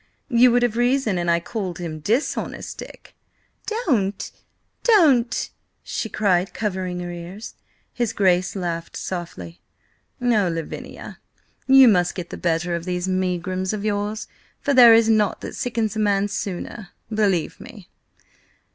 You would have reason an I called him Dishonest Dick." "Don't! Don't!" she cried, covering her ears. His Grace laughed softly. "Oh, Lavinia, yon must get the better of these megrims of yours, for there is nought that sickens a man sooner, believe me."